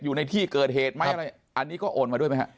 อยู่ในที่เกิดเหตุไหมอันนี้ก็โอนมาด้วยไหมฮะ